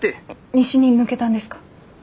西に抜けたんですか？